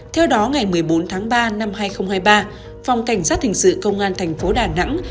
theo đó ngày một mươi bốn tháng ba năm hai nghìn hai mươi ba phòng cảnh sát hình sự công an thành phố đà nẵng